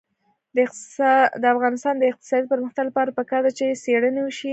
د افغانستان د اقتصادي پرمختګ لپاره پکار ده چې څېړنې وشي.